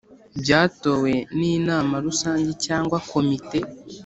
Byatowe n inama rusange cyangwa komite